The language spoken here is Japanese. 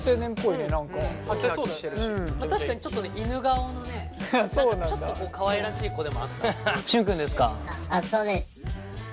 確かにちょっと犬顔のね何かちょっとかわいらしい子でもあった。